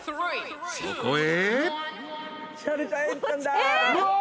［そこへ］